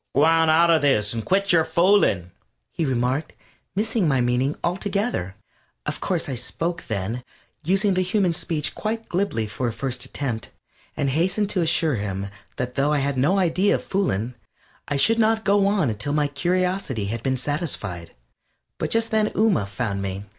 "G'wan out of this, and quit yer foolin'," he remarked, missing my meaning altogether. Of course I spoke then, using the human speech quite glibly for a first attempt, and hastened to assure him that though I had no idea of fooling, I should not go on until my curiosity had been satisfied. But just then Ooma found me.